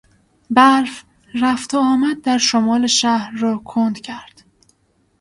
برف رفت و آمد در شمال شهر را کند کرد.